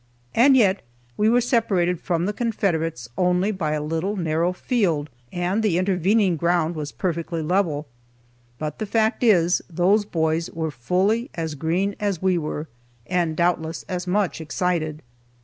And yet we were separated from the Confederates only by a little, narrow field, and the intervening ground was perfectly level. But the fact is, those boys were fully as green as we were, and doubtless as much excited.